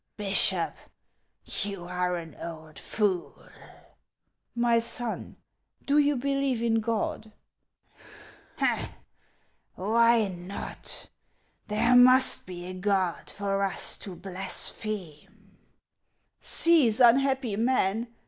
Bishop, you are an old <ooL"* " My son, do you believe in God ?" a Why not ? There must be a God for us to blaspheme*' " Cease, unhappy man